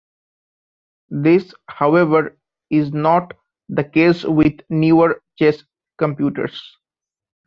This, however, is not the case with newer chess computers.